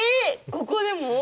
ここでも？